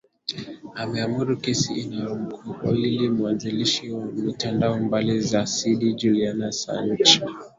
ameamuru kesi inayomkabili mwanzilishi wa mtandao bali za sidi juliana sanj